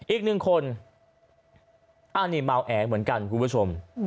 อีกหนึ่งคนอันนี้เมาแอเหมือนกันคุณผู้ชม